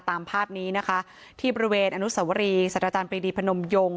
ตามภาพนี้นะคะที่บริเวณอนุสวรีสัตว์อาจารย์ปรีดีพนมยง